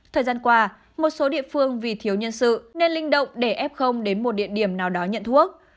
thời gian qua một số địa phương vì thiếu nhân sự nên linh động để f đến một địa điểm nào đó nhận thuốc